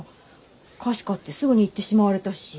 菓子買ってすぐに行ってしまわれたし。